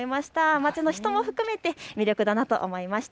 街の人も含めて魅力だなと思いました。